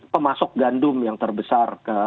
pemasok gandum yang terbesar